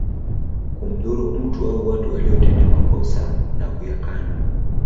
Kumdhuru mtu au watu waliotenda makosa na kuyakana